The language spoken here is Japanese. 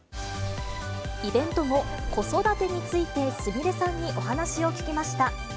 イベント後、子育てについてすみれさんにお話を聞きました。